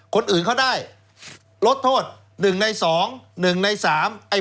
คนอื่นเขาได้ลดโทษ๑ใน๒๑ใน๓ไอ้